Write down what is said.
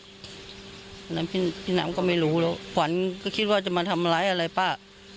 เพราะฉะนั้นพี่น้ำก็ไม่รู้แล้วขวัญก็คิดว่าจะมาทำอะไรอะไรป้า